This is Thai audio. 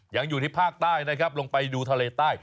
ยังอยู่ที่ภาคใต้นะครับลงไปดูทะเลใต้